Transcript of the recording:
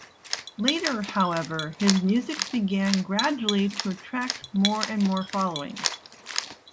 Later, however, his music began gradually to attract more and more following.